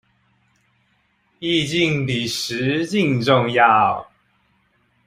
意境比實境重要